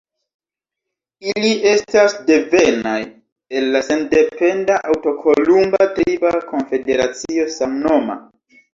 Ili estas devenaj el la sendependa antaŭkolumba triba konfederacio samnoma.